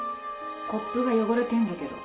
コップが汚れてんだけど